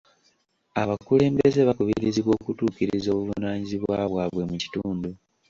Abakulembeze bakubirizibwa okutuukiriza obuvunaanyizibwa bwabwe mu kitundu.